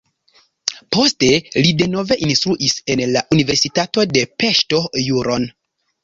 Poste li denove instruis en la universitato de Peŝto juron.